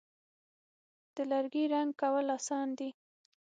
د لرګي رنګ کول آسانه دي.